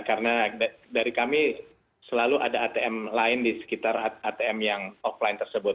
karena dari kami selalu ada atm lain di sekitar atm yang offline tersebut